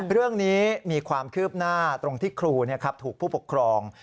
เรื่องนี้มีความคืบหน้าตรงที่ครูถูกผู้ปกครอง